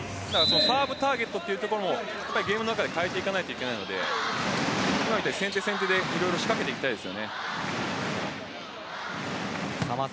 サーブターゲットもゲームの中で変えていかないといけないので今みたいに先手先手で仕掛けていきたいです。